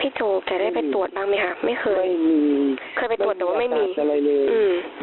พี่โจ๊กจะได้ไปตรวจบ้างไหมคะไม่เคยไม่มีเคยไปตรวจหรือว่าไม่มีอืม